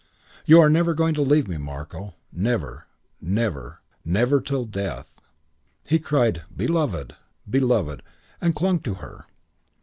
"You are never going to leave me, Marko. Never, never, never, till death." He cried, "Beloved, Beloved," and clung to her.